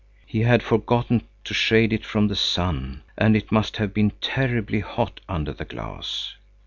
He had forgotten to shade it from the sun, and it must have been terribly hot under the glass.